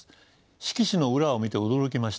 色紙の裏を見て驚きました。